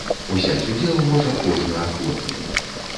Узяць удзел можа кожны ахвотны.